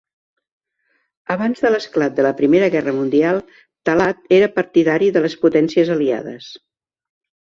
Abans de l'esclat de la Primera Guerra Mundial, Talat era partidari de les potències aliades.